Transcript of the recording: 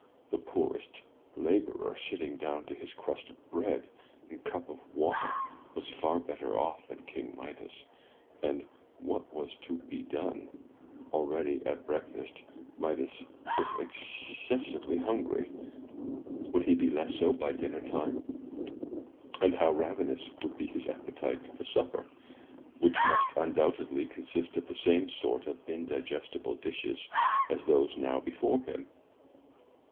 The poorest laborer, sitting down to his crust of bread and cup of water, was far better off than King Midas. And what was to be done? Already, at breakfast, Midas was exces 283 MY BOOK HOUSE sively hungry. Would he be less so by dinnertime? And how ravenous would be his appetite for supper, which must undoubt edly consist of the same sort of indigestible dishes as those now before him!